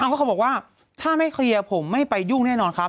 ก็เขาบอกว่าถ้าไม่เคลียร์ผมไม่ไปยุ่งแน่นอนครับ